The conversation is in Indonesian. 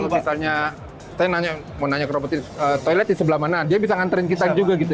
kalau misalnya saya mau nanya ke robot ini toilet di sebelah mana dia bisa nganterin kita juga gitu